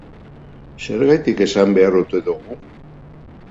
Zergatik esan behar ote dugu?